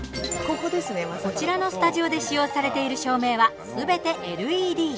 こちらのスタジオで使用されている照明はすべてＬＥＤ。